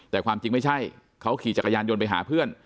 แต่ความจริงไม่ใช่เขาขี่จักรยานยนต์ไปหาเพื่อน